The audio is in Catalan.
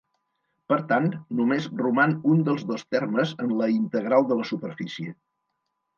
Per tant, només roman un dels dos termes en la integral de la superfície.